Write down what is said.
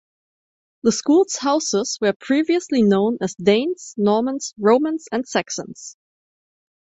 The school's houses were previously known as Danes, Normans, Romans and Saxons.